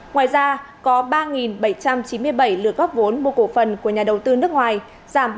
ngoài ra có ba bảy trăm chín mươi bảy lượt góp vốn mua cổ phần của nhà đầu tư nước ngoài giảm ba mươi